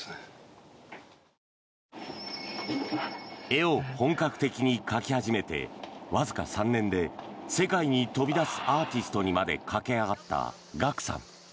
絵を本格的に描き始めてわずか３年で世界に飛び出すアーティストにまで駆け上がったＧＡＫＵさん。